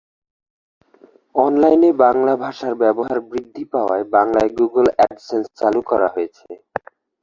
অনলাইনে বাংলা ভাষার ব্যবহার বৃদ্ধি পাওয়ায় বাংলায় গুগল অ্যাডসেন্স চালু করা হয়েছে।